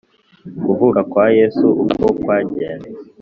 Kuvuka kwa Yesu, uko kwagenze